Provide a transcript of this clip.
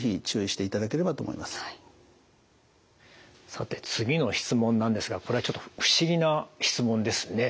さて次の質問なんですがこれはちょっと不思議な質問ですね。